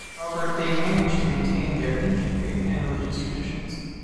However, they manage to maintain their ancient faith and religious traditions.